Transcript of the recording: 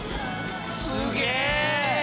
すげえ！